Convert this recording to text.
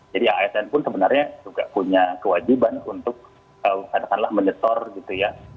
jadi asn pun sebenarnya juga punya kewajiban untuk katakanlah menyetor gitu ya